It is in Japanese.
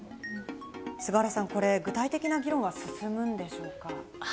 菅原さん、具体的な議論は進むでしょうか？